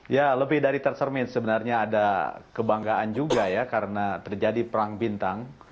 ya lebih dari tercermin sebenarnya ada kebanggaan juga ya karena terjadi perang bintang